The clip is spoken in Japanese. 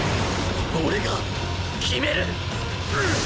俺が決める！